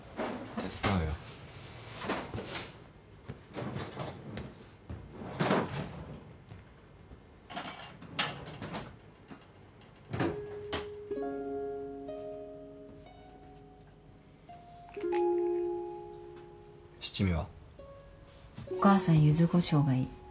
お母さんゆずこしょうがいい。